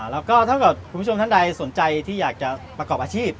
แล้วก็เท่ากับคุณผู้ชมท่านใดที่สนใจที่อยากประกอบอาชีพ